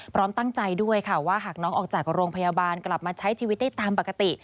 พร้อมตั้งใจด้วยค่ะว่าหากน้องออกจากโรงพยาบาลกลับมาใช้ชีวิตได้ตามปกติ